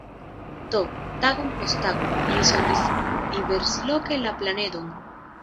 Do, tagon post tago, ili sondis diversloke la planedon.